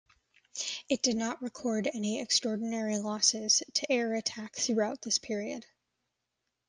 It did not record any extraordinary losses to air attack throughout this period.